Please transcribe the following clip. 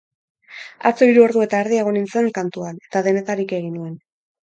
Atzo hiru ordu eta erdi egon nintzen kantuan, eta denetarik egin nuen.